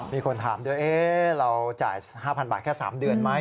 มีคนถามด้วยเราจ่าย๕๐๐บาทแค่๓เดือนไหม